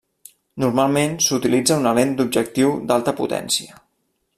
Normalment s'utilitza una lent d'objectiu d'alta potència.